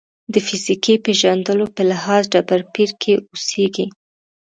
د فیزیکي پېژندلو په لحاظ ډبرپېر کې اوسېږي.